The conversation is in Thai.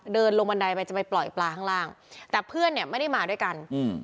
เดินลงบันไดไปจะไปปล่อยปลาข้างล่างแต่เพื่อนเนี่ยไม่ได้มาด้วยกันอืม